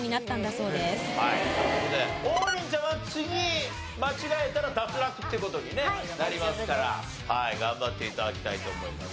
という事で王林ちゃんは次間違えたら脱落って事になりますから頑張って頂きたいと思います。